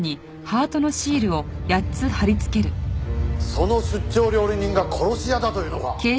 その出張料理人が殺し屋だというのか？